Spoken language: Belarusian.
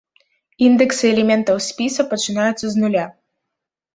Індэксы элементаў спіса пачынаюцца з нуля.